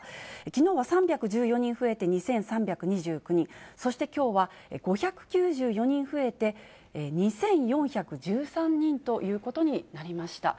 きのうは３１４人増えて２３２９人、そしてきょうは５９４人増えて２４１３人ということになりました。